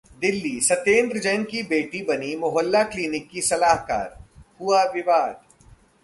दिल्ली: सत्येंद्र जैन की बेटी बनी मोहल्ला क्लीनिक की सलाहकार, हुआ विवाद